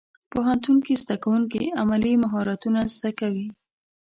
پوهنتون کې زدهکوونکي عملي مهارتونه زده کوي.